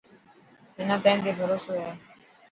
منان تين تي ڀروسو هي.